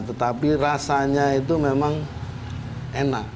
tetapi rasanya itu memang enak